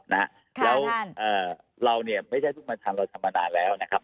แล้วเราไม่ใช่ทุกคนทางเราทำมานานแล้วนะครับ